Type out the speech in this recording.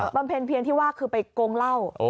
ำเพ็ญเพียนที่ว่าคือไปโกงเหล้า